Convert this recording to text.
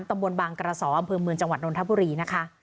ตำบลบางกระสออำเภอเมืองจังหวัดนทบุรีนะคะ